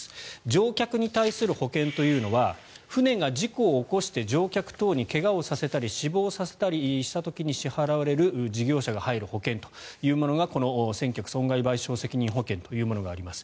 乗客に対する保険というのは船が事故を起こして乗客等に怪我をさせたり死亡させたりした時に支払われる事業者が入る保険というもの船客損害賠償責任保険があります。